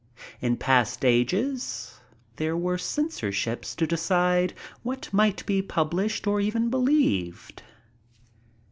In past ages there were censorships to decide what might be published, or even believed.